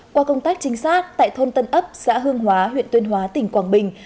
qua công tác trinh sát tại thôn tân ấp xã hương hóa huyện tuyên hóa tỉnh quảng bình